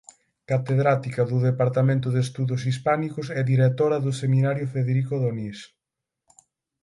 Catedrática do departamento de Estudios Hispánicos e directora do Seminario Federico de Onís.